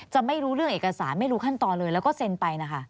ไม่รู้เรื่องเอกสารไม่รู้ขั้นตอนเลยแล้วก็เซ็นไปนะคะ